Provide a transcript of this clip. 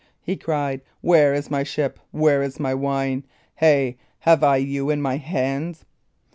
he cried. "Where is my ship? Where is my wine? Hey! have I you in my hands?